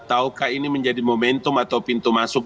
tahukah ini menjadi momentum atau pintu masuk